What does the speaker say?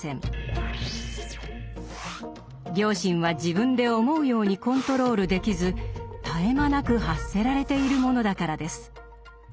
「良心」は自分で思うようにコントロールできず絶え間なく発せられているものだからです。